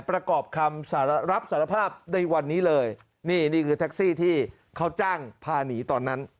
ประกอบคำรับสารภาพในวันนี้เลยนี่นี่คือแท็กซี่ที่เขาจ้างพาหนีตอนนั้น